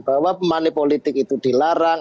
bahwa pemani politik itu dilarang